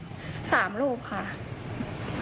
๓รูปค่ะ